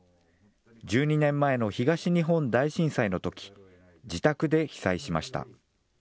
１２年前の東日本大震災のとき、自宅で被災しました。